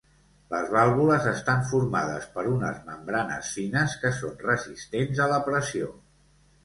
Les vàlvules estan formades per unes membranes fines que són resistents a la pressió.